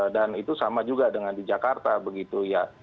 dan itu sama juga dengan di jakarta begitu ya